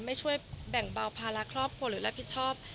ไม่ช่วยแบ่งเบาภาระครอบครัวหรือรับผิดชอบ